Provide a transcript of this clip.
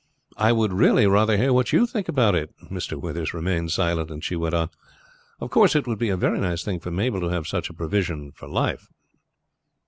I would really rather hear what you think about it." Mr. Withers remained silent, and she went on: "Of course it would be a very nice thing for Mabel to have such a provision for life."